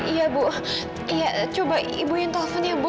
iya bu ya coba ibu yang telepon ya bu